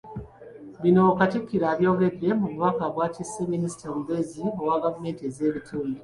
Bino Katikkiro abyogeredde mu bubaka bw’atisse minisita omubeezi owa gavumenti ez’ebitundu.